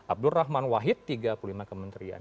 abdul rahman wahid tiga puluh lima kementerian